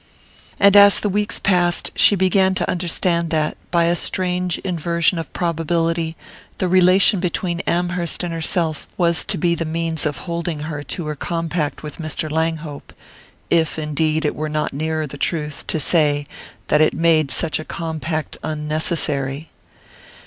And as the weeks passed she began to understand that, by a strange inversion of probability, the relation between Amherst and herself was to be the means of holding her to her compact with Mr. Langhope if indeed it were not nearer the truth to say that it had made such a compact unnecessary.